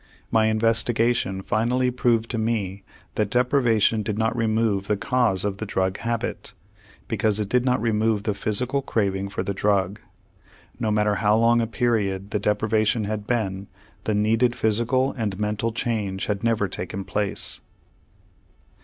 My investigation finally proved to me that deprivation did not remove the cause of the drug habit, because it did not remove the physical craving for the drug. No matter how long a period the deprivation had been, the needed physical and mental change had never taken place.